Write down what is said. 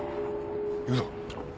行くぞ。